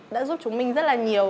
đã giúp chúng mình rất là nhiều